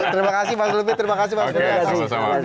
terima kasih mas lufie terima kasih mas priyaw